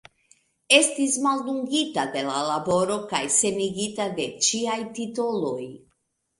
Estis maldungita de la laboro kaj senigita de ĉiaj titoloj.